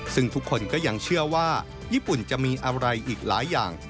ซึ่งทุกคนก็ยังเชื่อว่าญี่ปุ่นจะมีอะไรอีกหลายอย่าง